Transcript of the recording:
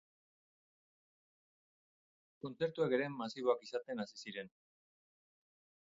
Kontzertuak ere masiboak izaten hasi ziren.